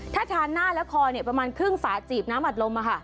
ถ้าทานหน้าและคอประมาณครึ่งฝาจีบน้ำอัดลม